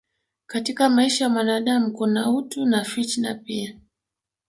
Katika maisha ya mwanadamu kuna utu na fitna pia